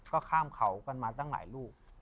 ก็ข้ามเขากันมาตั้งหลายลูก